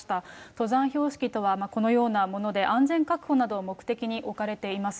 登山標識とは、このようなもので、安全確保などを目的に置かれています。